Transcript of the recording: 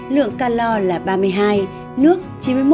lượng calor là ba mươi hai nước chín mươi một